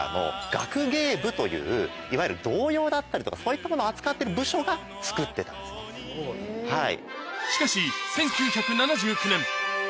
いわゆる童謡だったりとかそういったもの扱ってる部署が作ってたんですねはい。